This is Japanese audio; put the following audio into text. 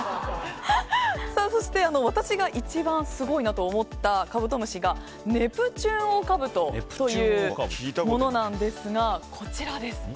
そして、私が一番すごいなと思ったカブトムシがネプチューンオオカブトという昆虫なんですが、こちらです。